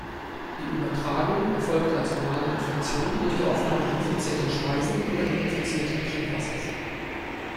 Die Übertragung erfolgt als orale Infektion durch die Aufnahme infizierter Speisen oder infizierten Trinkwassers.